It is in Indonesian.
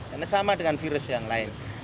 karena sama dengan virus yang lain